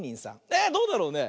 えどうだろうね？